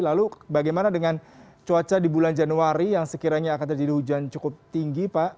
lalu bagaimana dengan cuaca di bulan januari yang sekiranya akan terjadi hujan cukup tinggi pak